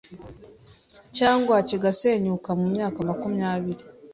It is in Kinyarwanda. cyangwa kigasenyuka mu myaka makumyabiri